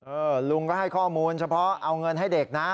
ลุงก็ให้ข้อมูลเฉพาะเอาเงินให้เด็กนะ